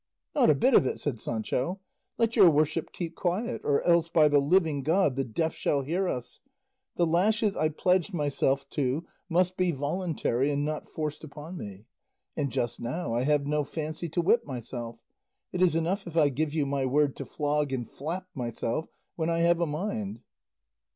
"Not a bit of it," said Sancho; "let your worship keep quiet, or else by the living God the deaf shall hear us; the lashes I pledged myself to must be voluntary and not forced upon me, and just now I have no fancy to whip myself; it is enough if I give you my word to flog and flap myself when I have a mind."